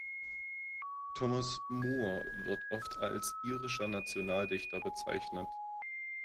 Thomas Moore wird oft als irischer Nationaldichter bezeichnet.